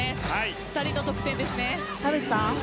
２人の得点ですね。